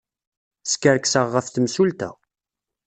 Skerkseɣ ɣef temsulta.